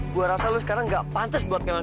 gue rasa lo sekarang gak pantas buat kenal sama dia